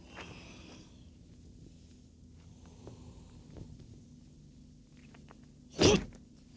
janganlah kau berguna